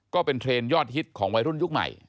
ก็เป็นเทรนด์ยอดฮิตของวัยรุ่นยุคใหม่